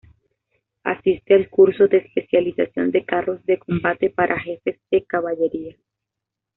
Asiste al curso de especialización de Carros de Combate para Jefes de Caballería.